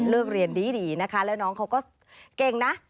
เรียนดีนะคะแล้วน้องเขาก็เก่งนะ